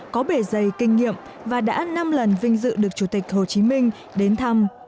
có bể dày kinh nghiệm và đã năm lần vinh dự được chủ tịch hồ chí minh đến thăm